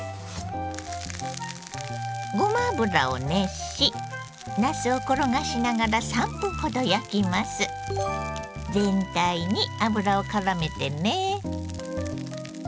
ごま油を熱しなすを転がしながら全体に油をからめてね。